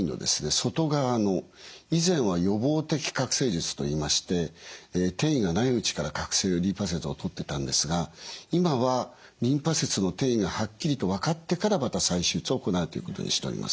外側の以前は予防的郭清術といいまして転移がないうちからリンパ節を取ってたんですが今はリンパ節の転移がはっきりと分かってからまた再手術を行うということにしております。